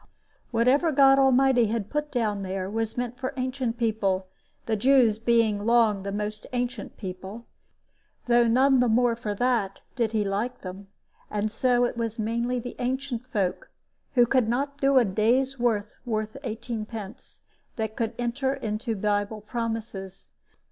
Whatever God Almighty had put down there was meant for ancient people, the Jews being long the most ancient people, though none the more for that did he like them; and so it was mainly the ancient folk, who could not do a day's work worth eighteenpence, that could enter into Bible promises.